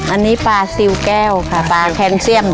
อันนี้ปลาซิลแก้วค่ะปลาแคนเซียม